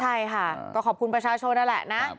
ใช่ค่ะก็ขอบคุณประชาชนนั่นแหละนะ